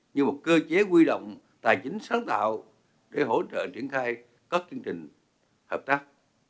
như một cơ chế quy động tài chính sáng tạo để hỗ trợ triển khai các chương trình hợp tác